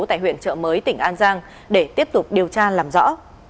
tại huyện trợ mới tỉnh an giang để tiếp tục điều tra làm rõ